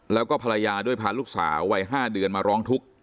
แล้วก็ภรรยาด้วยพาลูกสาววัย๕เดือนมาร้องทุกข์